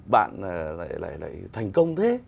bạn lại thành công thế